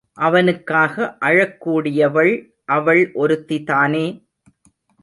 அவனுக்காக அழக்கூடியவள் அவள் ஒருத்திதானே!